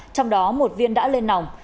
trong đó một viên đã lên nòng